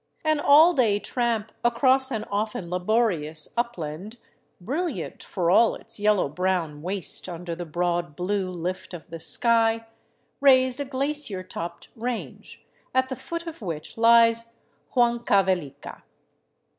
An all day tramp across an often laborious upland, brilliant for all its yellow brown waste under the broad blue lift of the sky, raised a glacier topped range, at the foot of which lies Huancavelica.